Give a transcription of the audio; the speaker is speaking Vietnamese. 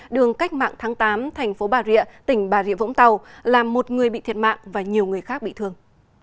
đường cách mạng tháng tám thành phố bà rịa tỉnh bà rịa vũng tàu làm một người bị thiệt mạng và nhiều người khác bị thương